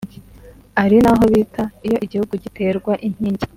ari naho bita “iyo igihugu giterwa inkingi”